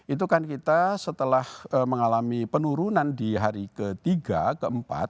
itu kan kita setelah mengalami penurunan di hari ke tiga ke empat